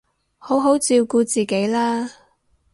好好照顧自己啦